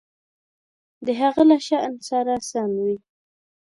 د هغه له شأن سره سم وي.